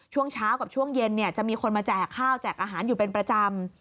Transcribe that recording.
ช่วงเช้ากับช่วงเย็นจะมีคนมาแจกข้าวแจกอาหารอยู่เป็นประจำ